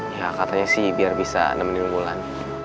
ya katanya sih biar bisa nemenin gue lan